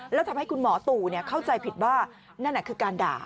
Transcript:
แล้วทำให้คุณหมอตู่เข้าใจผิดว่านั่นคือการด่า